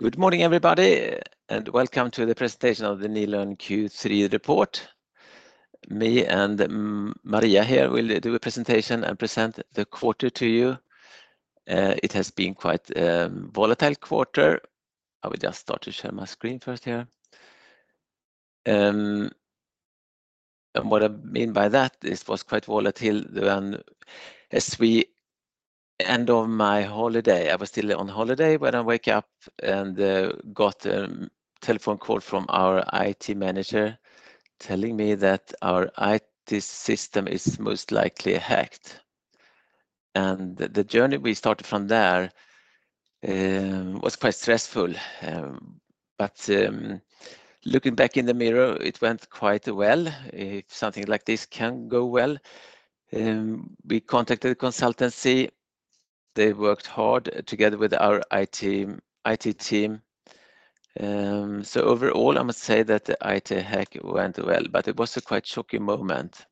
Good morning, everybody, and welcome to the presentation of the Nilörn Q3 report. Me and Maria here will do a presentation and present the quarter to you. It has been quite volatile quarter. I will just start to share my screen first here, and what I mean by that, it was quite volatile when as we end of my holiday, I was still on holiday when I wake up and got a telephone call from our IT manager telling me that our IT system is most likely hacked, and the journey we started from there was quite stressful, but looking back in the mirror, it went quite well, if something like this can go well. We contacted the consultancy. They worked hard together with our IT team. So overall, I must say that the IT hack went well, but it was a quite shocking moment.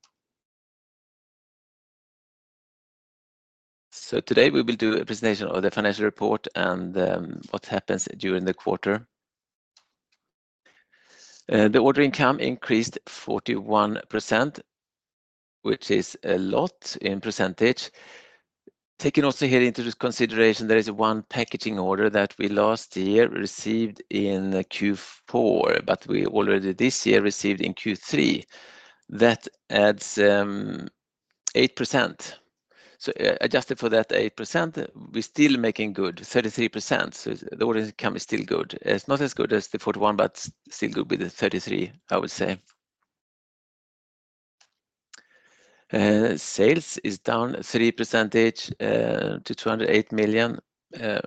So today, we will do a presentation of the financial report and what happens during the quarter. The order income increased 41%, which is a lot in percentage. Taking also here into consideration, there is one packaging order that we last year received in Q4, but we already this year received in Q3. That adds 8%. So adjusted for that 8%, we're still making good 33%. So the order income is still good. It's not as good as the 41%, but still good with the 33%, I would say. Sales is down 3% to SEK 208 million. And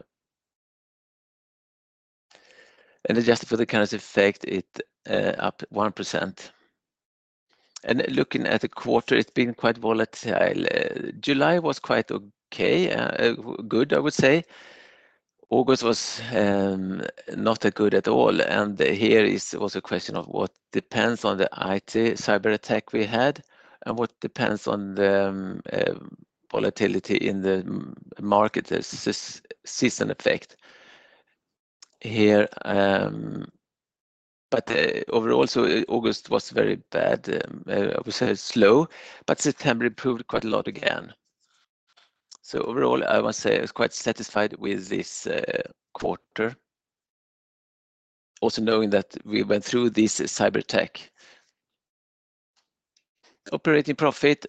adjusted for the currency effect, it up 1%. And looking at the quarter, it's been quite volatile. July was quite okay, good, I would say. August was not good at all, and here is also a question of what depends on the IT cyberattack we had and what depends on the volatility in the market, this season effect here, but overall, so August was very bad, I would say slow, but September improved quite a lot again. So overall, I must say I was quite satisfied with this quarter, also knowing that we went through this cyberattack. Operating profit,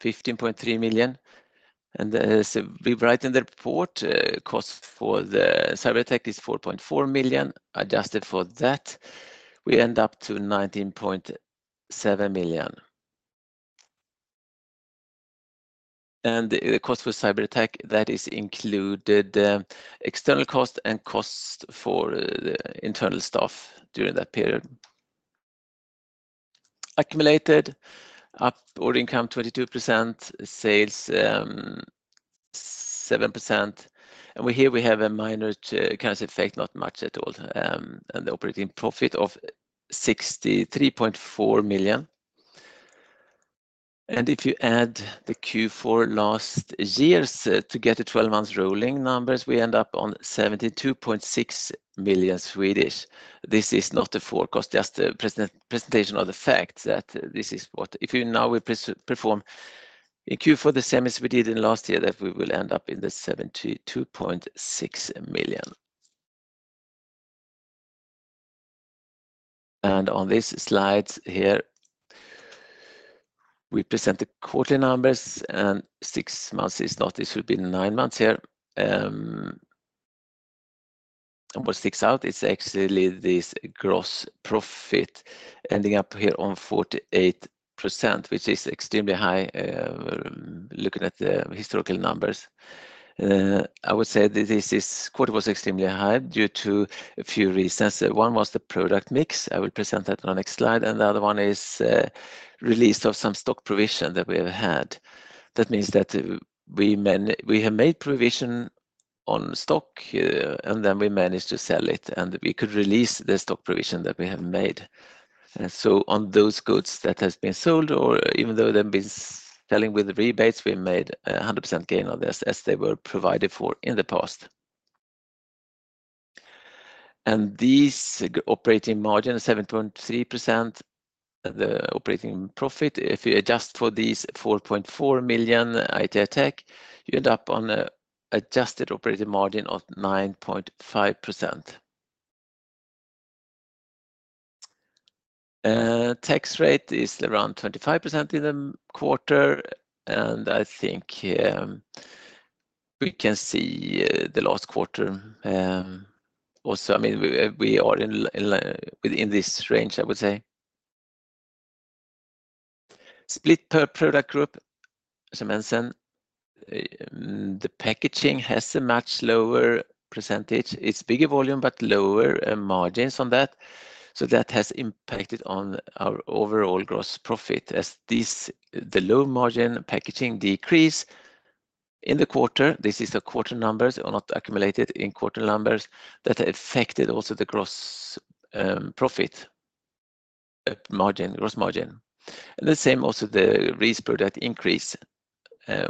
15.3 million, and as we write in the report, cost for the cyberattack is 4.4 million. Adjusted for that, we end up to 19.7 million, and the cost for cyberattack, that is included, the external cost and cost for the internal staff during that period. Accumulated order income, 22%, sales, 7%. And here we have a minor currency effect, not much at all, and the operating profit of 63.4 million. And if you add the Q4 last year's to get the twelve months rolling numbers, we end up on 72.6 million. This is not a forecast, just a presentation of the fact that this is what. If you now perform in Q4 the same as we did in last year, that we will end up in the 72.6 million. And on this slide here, we present the quarterly numbers, and six months is not. This will be nine months here. And what sticks out is actually this gross profit, ending up here on 48%, which is extremely high, looking at the historical numbers. I would say this, this quarter was extremely high due to a few reasons. One was the product mix, I will present that on the next slide, and the other one is release of some stock provision that we have had. That means that we have made provision on stock, and then we managed to sell it, and we could release the stock provision that we have made. And so on those goods that has been sold, or even though they've been selling with rebates, we made a 100% gain on this as they were provided for in the past. And this operating margin, 7.3%, the operating profit. If you adjust for this 4.4 million IT attack, you end up on an adjusted operating margin of 9.5%. Tax rate is around 25% in the quarter, and I think we can see the last quarter also. I mean, we are in this range, I would say. Split per product group, as I mentioned, the packaging has a much lower percentage. It's bigger volume, but lower margins on that. So that has impacted on our overall gross profit as this, the low-margin packaging decrease in the quarter. This is the quarter numbers, are not accumulated in quarter numbers, that affected also the gross profit margin, gross margin. And the same also the labels product increase,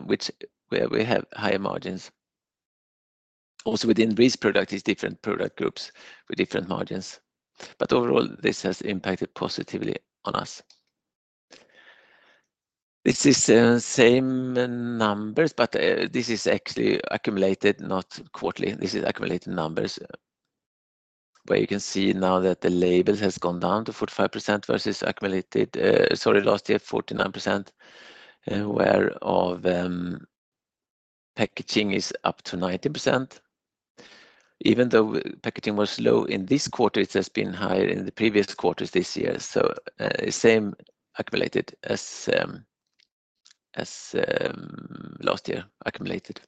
which where we have higher margins. Also within labels product is different product groups with different margins, but overall, this has impacted positively on us. This is same numbers, but this is actually accumulated, not quarterly. This is accumulated numbers, where you can see now that the label has gone down to 45% versus accumulated, sorry, last year, 49%, whereof packaging is up to 90%. Even though packaging was low in this quarter, it has been higher in the previous quarters this year, so same accumulated as last year accumulated.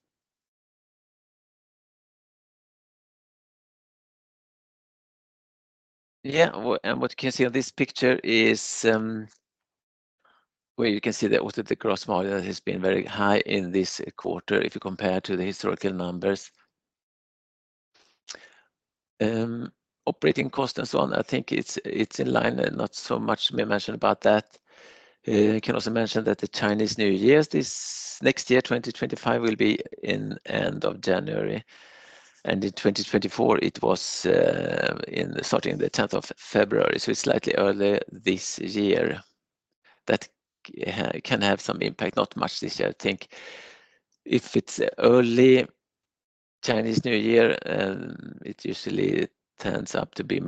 Yeah, and what you can see on this picture is where you can see that also the gross margin has been very high in this quarter if you compare to the historical numbers. Operating cost and so on, I think it's in line, not so much we mentioned about that. I can also mention that the Chinese New Year this next year, 2025, will be in end of January, and in 2024, it was in starting the tenth of February, so it's slightly earlier this year. That can have some impact, not much this year. I think if it's early Chinese New Year, it usually turns out to be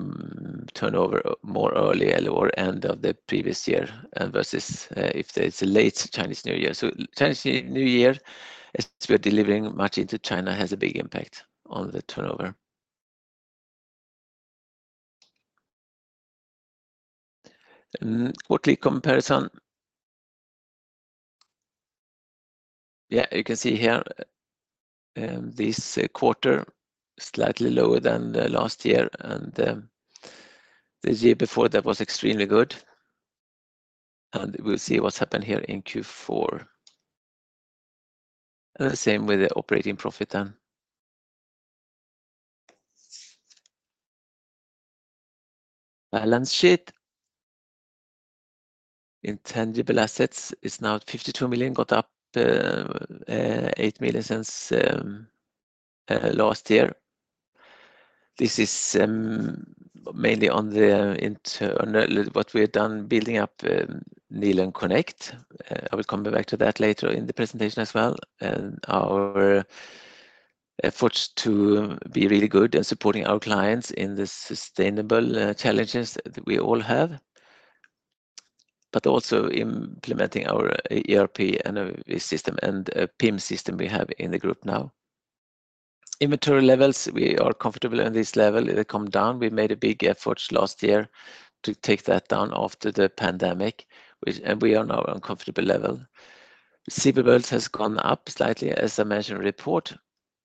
turnover more early or end of the previous year, versus if it's a late Chinese New Year. So Chinese New Year, as we're delivering much into China, has a big impact on the turnover. Quarterly comparison. Yeah, you can see here, this quarter, slightly lower than the last year, and the year before that was extremely good, and we'll see what's happened here in Q4. The same with the operating profit then. Balance sheet. Intangible assets is now 52 million, got up eight million since last year. This is mainly what we have done, building up Nilörn:CONNECT. I will come back to that later in the presentation as well, and our efforts to be really good in supporting our clients in the sustainable challenges that we all have, but also implementing our ERP and system and PIM system we have in the group now. Inventory levels, we are comfortable in this level. It come down. We made a big effort last year to take that down after the pandemic, which, and we are now on comfortable level. Receivables has gone up slightly, as I mentioned in report.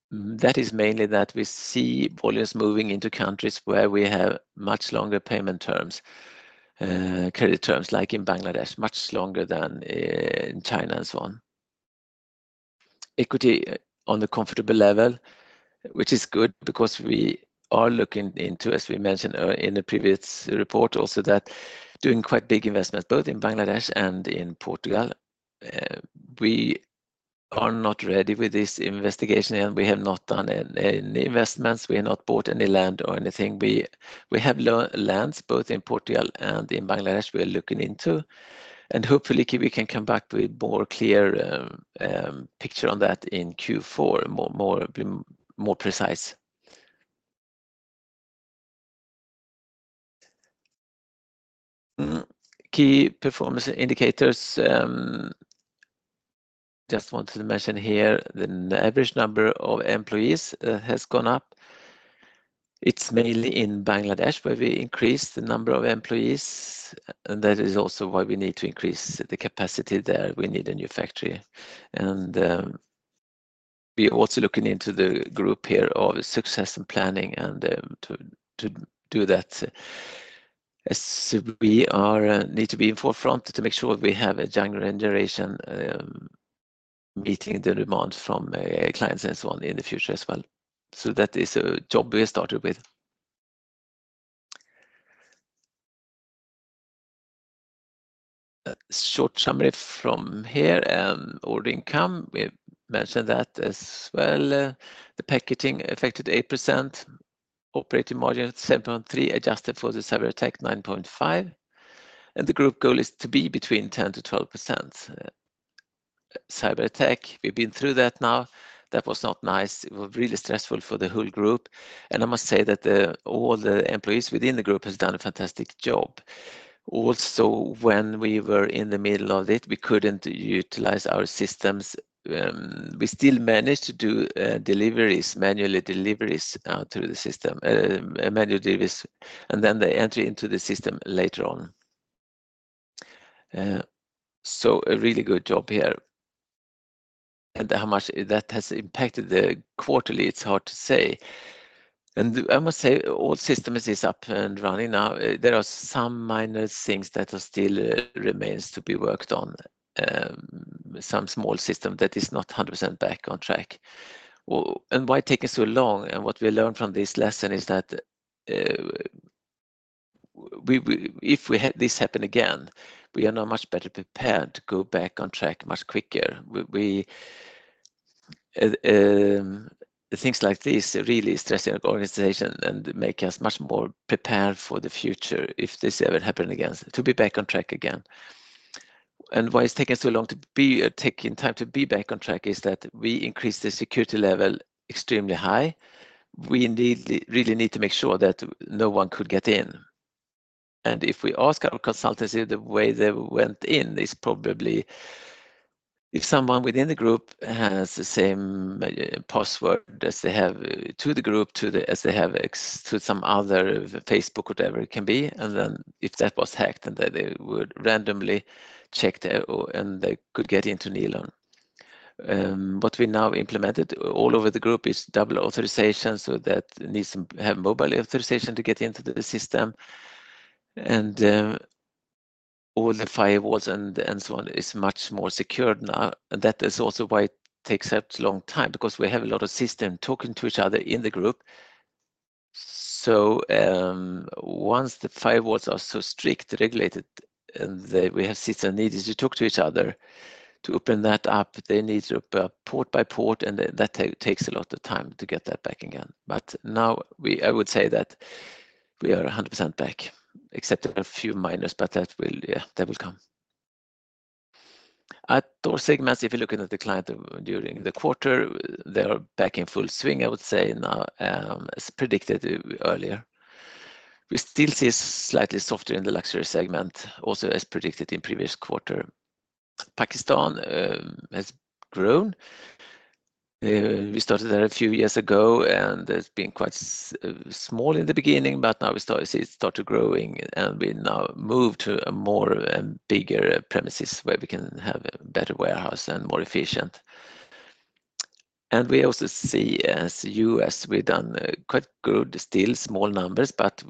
That is mainly that we see volumes moving into countries where we have much longer payment terms, credit terms, like in Bangladesh, much longer than in China and so on. Equity on a comfortable level, which is good because we are looking into, as we mentioned, in the previous report, also that doing quite big investment, both in Bangladesh and in Portugal. We are not ready with this investigation, and we have not done any investments. We have not bought any land or anything. We have lands, both in Portugal and in Bangladesh we are looking into, and hopefully, we can come back with more clear picture on that in Q4, more precise. Key performance indicators, just wanted to mention here, the average number of employees has gone up. It's mainly in Bangladesh, where we increased the number of employees, and that is also why we need to increase the capacity there. We need a new factory, and we also looking into the group here of succession planning and, to do that. As we are, need to be in forefront to make sure we have a younger generation, meeting the demands from, clients and so on in the future as well, so that is a job we started with. A short summary from here, order income, we mentioned that as well. The packaging affected 8%, operating margin 7.3%, adjusted for the cyberattack 9.5%, and the group goal is to be between 10%-12%. Cyberattack, we've been through that now. That was not nice. It was really stressful for the whole group, and I must say that all the employees within the group has done a fantastic job. Also, when we were in the middle of it, we couldn't utilize our systems. We still managed to do manual deliveries through the system, and then they enter into the system later on. So a really good job here. How much that has impacted the quarterly, it's hard to say. I must say, all systems is up and running now. There are some minor things that are still remains to be worked on, some small system that is not 100% back on track. Why taking so long? And what we learned from this lesson is that, if we had this happen again, we are now much better prepared to go back on track much quicker. Things like this really stressing organization and make us much more prepared for the future, if this ever happen again, to be back on track again. And why it's taking so long to be back on track is that we increase the security level extremely high. We indeed really need to make sure that no one could get in. If we ask our consultancy, the way they went in is probably if someone within the group has the same password as they have to the group, as they have access to some other Facebook, whatever it can be, and then if that was hacked, then they would randomly check the other and they could get into Nilörn. What we now implemented all over the group is double authorization, so that needs to have mobile authorization to get into the system. All the firewalls and so on is much more secured now. That is also why it takes such a long time, because we have a lot of system talking to each other in the group. Once the firewalls are so strict, regulated, and we have system needed to talk to each other. To open that up, they need to port by port, and that takes a lot of time to get that back again. But now we, I would say that we are 100% back, except a few miners, but that will, yeah, that will come. At those segments, if you're looking at the client during the quarter, they are back in full swing, I would say now, as predicted earlier. We still see slightly softer in the luxury segment, also as predicted in previous quarter. Pakistan has grown. We started there a few years ago, and it's been quite small in the beginning, but now we start to see it starting to grow, and we now move to a bigger premises where we can have a better warehouse and more efficient. We also see in the U.S., we've done quite good, still small numbers, but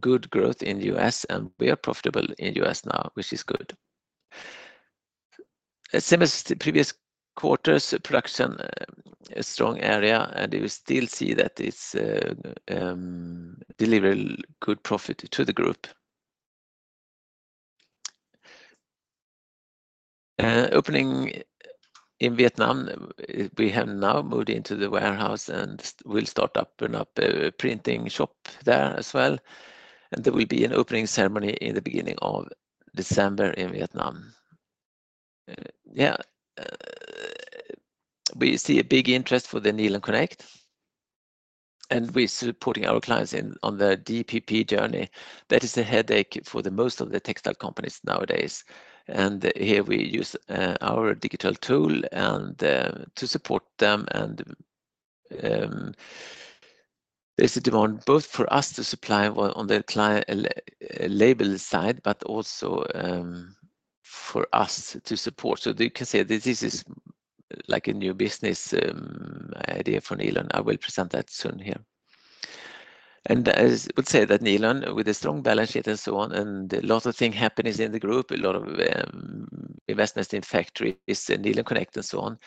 good growth in the U.S., and we are profitable in the U.S. now, which is good. Same as the previous quarters, production, a strong area, and you still see that it's deliver good profit to the group. Opening in Vietnam, we have now moved into the warehouse and we'll start up a printing shop there as well, and there will be an opening ceremony in the beginning of December in Vietnam. Yeah, we see a big interest for the Nilörn:CONNECT, and we're supporting our clients in on the DPP journey. That is a headache for the most of the textile companies nowadays. Here we use our digital tool and to support them. There's a demand both for us to supply on the client label side, but also, for us to support. You can say this is like a new business idea for Nilörn. I will present that soon here. I would say that Nilörn, with a strong balance sheet and so on, and a lot of things happening in the group, a lot of investments in factories, Nilörn:CONNECT and so on.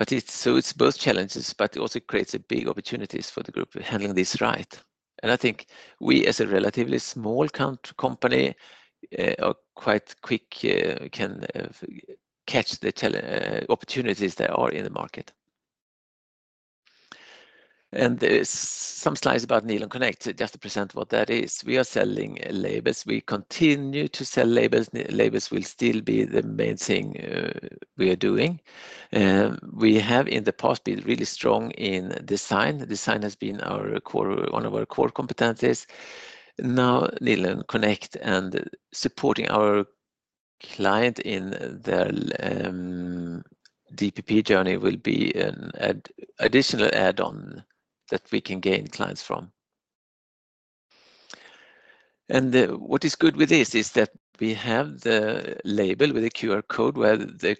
It's both challenges, but it also creates big opportunities for the group handling this right. I think we, as a relatively small-cap company, are quite quick, can catch the opportunities that are in the market. There are some slides about Nilörn:CONNECT, just to present what that is. We are selling labels. We continue to sell labels. Labels will still be the main thing we are doing. We have in the past been really strong in design. Design has been our core, one of our core competencies. Now, Nilörn:CONNECT and supporting our client in their DPP journey will be an additional add-on that we can gain clients from. And what is good with this is that we have the label with a QR code where the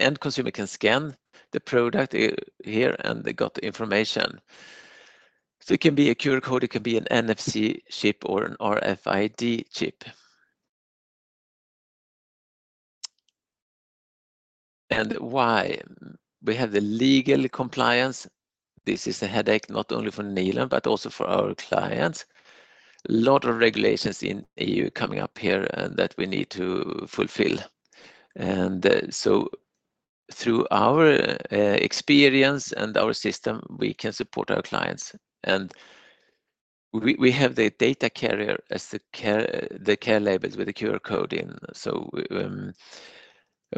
end consumer can scan the product here, and they got the information. So it can be a QR code, it can be an NFC chip, or an RFID chip. And why? We have the legal compliance. This is a headache, not only for Nilörn, but also for our clients. A lot of regulations in EU coming up here that we need to fulfill. Through our experience and our system, we can support our clients. We have the data carrier as the care labels with the QR code in.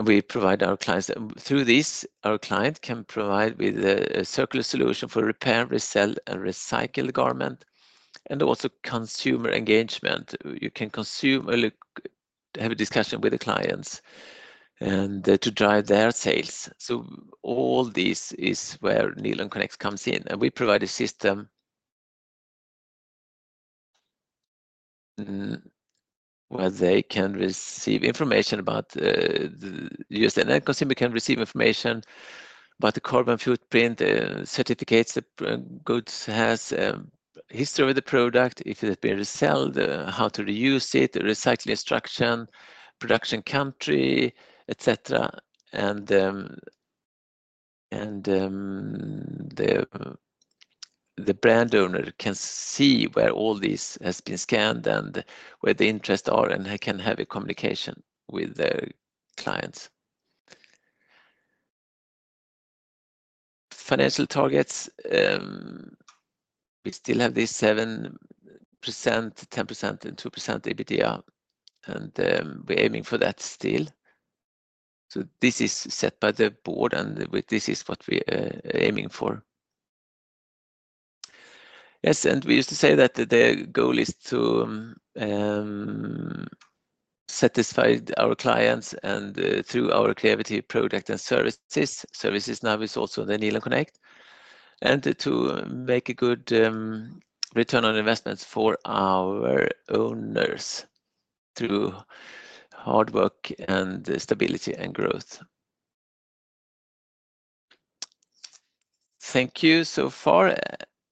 We provide our clients, through this, our client can provide with a circular solution for repair, resell, and recycle the garment, and also consumer engagement. You can consume—look, have a discussion with the clients, and to drive their sales. All this is where Nilörn:CONNECT comes in, and we provide a system where they can receive information about the use, and then consumer can receive information about the carbon footprint, certificates, the goods has history of the product, if it has been resold, how to reuse it, the recycling instruction, production country, et cetera. The brand owner can see where all this has been scanned and where the interests are, and they can have a communication with their clients. Financial targets, we still have this 7%, 10%, and 2% EBITDA, and we're aiming for that still. This is set by the board, and this is what we're aiming for. Yes. We used to say that the goal is to satisfy our clients and through our creativity, product, and services. Services now is also the Nilörn:CONNECT, and to make a good return on investment for our owners through hard work and stability and growth. Thank you so far.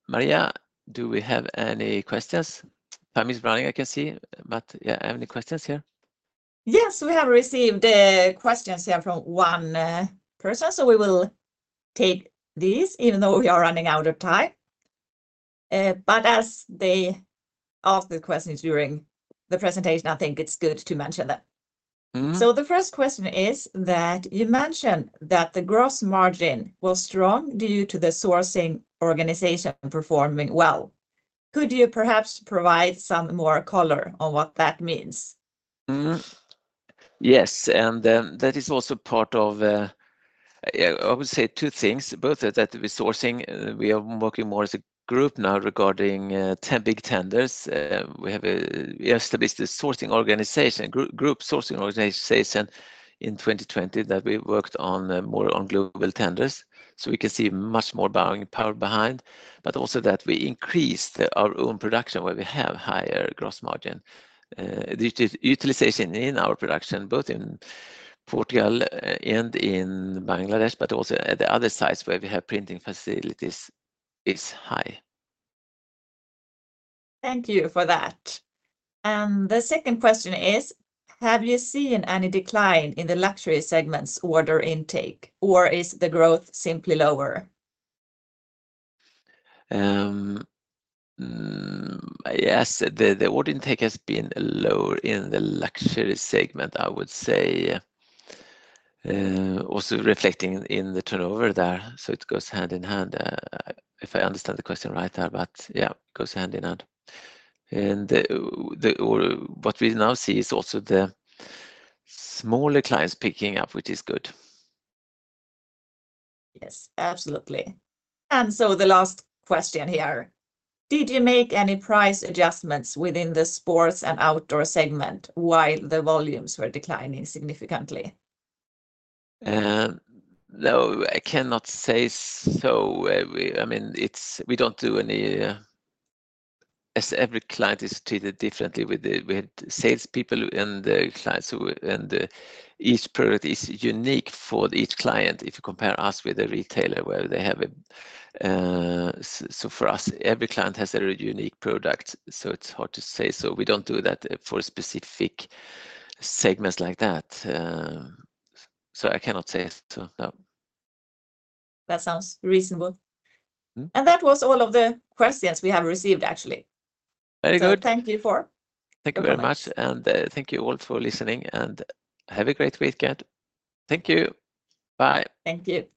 Maria, do we have any questions? Time is running, I can see, but yeah, I have any questions here? Yes, we have received questions here from one person, so we will take these, even though we are running out of time. But as they ask the questions during the presentation, I think it's good to mention that. Mm-hmm. So the first question is that you mentioned that the gross margin was strong due to the sourcing organization performing well. Could you perhaps provide some more color on what that means? Yes, and that is also part of, I would say two things, both that sourcing. We are working more as a group now regarding 10 big tenders. We established a group sourcing organization in 2020 that we worked on more on global tenders. So we can see much more buying power behind, but also that we increased our own production, where we have higher gross margin. The utilization in our production, both in Portugal and in Bangladesh, but also at the other sites where we have printing facilities, is high. Thank you for that, and the second question is, have you seen any decline in the luxury segment's order intake, or is the growth simply lower? Yes, the order intake has been lower in the luxury segment, I would say. Also reflecting in the turnover there, so it goes hand in hand if I understand the question right there, but yeah, it goes hand in hand, or what we now see is also the smaller clients picking up, which is good. Yes, absolutely. And so the last question here, did you make any price adjustments within the sports and outdoor segment while the volumes were declining significantly? No, I cannot say so. We, I mean, it's, we don't do any—as every client is treated differently with the, with salespeople and the clients, and, each product is unique for each client, if you compare us with a retailer, where they have a—so for us, every client has a unique product, so it's hard to say. So we don't do that for specific segments like that. So I cannot say so, no. That sounds reasonable. Mm. That was all of the questions we have received, actually. Very good. So thank you for— Thank you very much, and thank you all for listening, and have a great weekend. Thank you. Bye. Thank you.